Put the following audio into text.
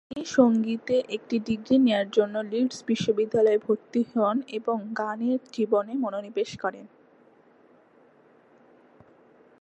তিনি সঙ্গীতে একটি ডিগ্রী নেয়ার জন্য লিডস বিশ্ববিদ্যালয়ে ভর্তি হন এবং তার গানের জীবনে মনোনিবেশ করেন।